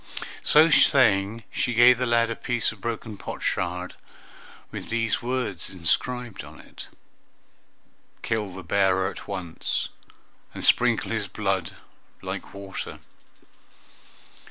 So saying, she gave the lad a piece of broken potsherd, with these words inscribed on it, "Kill the bearer at once, and sprinkle his blood like water!"